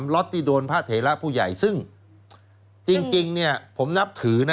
ล็อตที่โดนพระเถระผู้ใหญ่ซึ่งจริงเนี่ยผมนับถือนะ